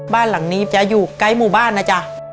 บ้านหลังนี้จะอยู่ใกล้หมู่บ้านนะจ๊ะ